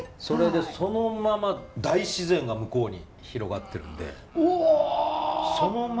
それでそのまま大自然が向こうに広がってるんで。